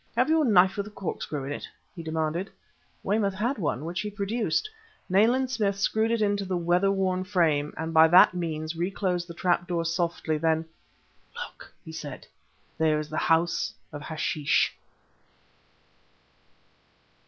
"Have you a knife with a corkscrew in it?" he demanded. Weymouth had one, which he produced. Nayland Smith screwed it into the weather worn frame, and by that means reclosed the trapdoor softly, then "Look," he said, "there is the house of hashish!"